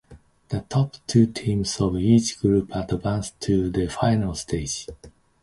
The top two teams of each group advance to the final stage.